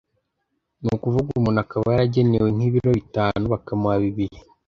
ni ukuvuga umuntu akaba yaragenewe nk’ibiro bitanu bakamuha bibiri